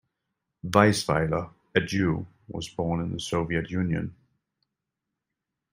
Weisfeiler, a Jew, was born in the Soviet Union.